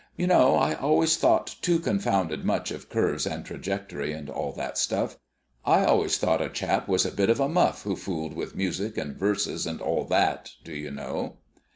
You know, I always thought too confounded much of curves and trajectory, and all that stuff. I always thought a chap was a bit of a muff who fooled with music and verses and all that, do you know."